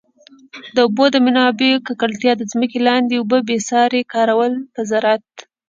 د اوبو د منابعو ککړتیا، د ځمکي لاندي اوبو بي ساري کارول په زراعت.